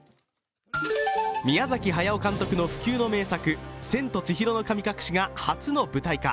宮崎駿監督の不朽の名作「千と千尋の神隠し」が初の舞台化。